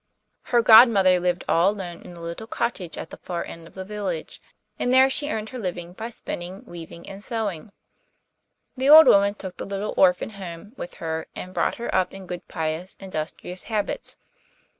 Her godmother lived all alone in a little cottage at the far end of the village, and there she earned her living by spinning, weaving, and sewing. The old woman took the little orphan home with her and brought her up in good, pious, industrious habits.